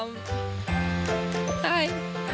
ไฮ